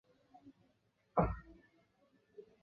翌年升任金门总兵。